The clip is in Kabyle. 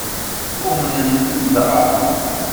Umnen-ten dɣa?